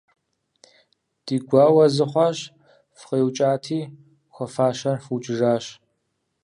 Ди гуауэ зы хъуащ - фыкъиукӀати, хуэфащэу фыукӀыжащ.